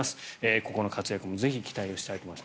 ここの活躍もぜひ期待したいと思います。